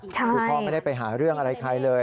คือพ่อไม่ได้ไปหาเรื่องอะไรใครเลย